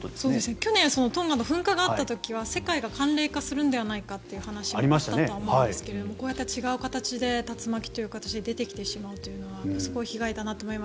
去年トンガの噴火があった時は世界が寒冷化するのではないかという話があったとは思うんですけれどもこうやって竜巻という違う形で出てきてしまうというのはすごい被害だなと思います。